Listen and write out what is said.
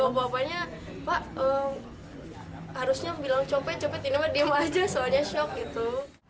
pak harusnya bilang copet copet ini mah diam aja soalnya syok gitu